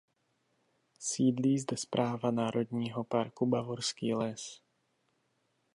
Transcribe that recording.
Sídlí zde správa Národního parku Bavorský les.